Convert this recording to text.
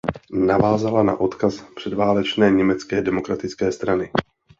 Navázala na odkaz předválečné Německé demokratické strany.